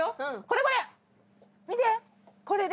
これこれ。